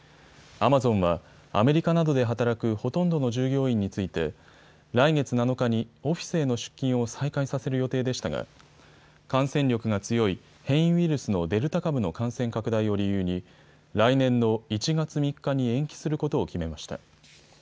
アマゾンはアメリカなどで働くほとんどの従業員について来月７日にオフィスへの出勤を再開させる予定でしたが感染力が強い変異ウイルスのデルタ株の感染拡大を理由に来年の１月３日に延期することを決めました。